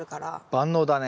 万能だね。